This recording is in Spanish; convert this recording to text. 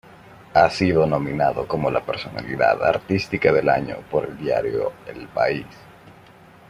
Ha sido nominado como la personalidad artística del año por el diario El País.